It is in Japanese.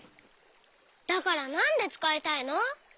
だからなんでつかいたいの？